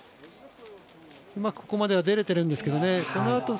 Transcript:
うまく途中までは出れてるんですけどね。